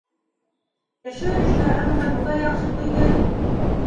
Кеше өлөшөнә ымһыныу ҙа яҡшы түгел.